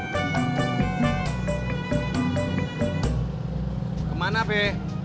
kau mau ke mana be